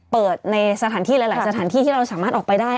เปิดในสถานที่หลายสถานที่ที่เราสามารถออกไปได้